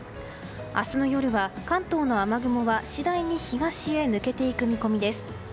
明日の夜は関東の雨雲は次第に東へ抜けていく見込みです。